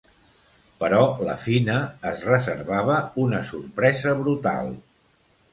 Però la Fina es reservava una sorpresa brutal.